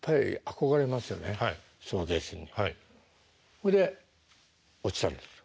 ほいで落ちたんですか。